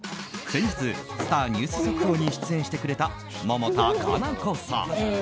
先日、スター☆ニュース速報に出演してくれた百田夏菜子さん。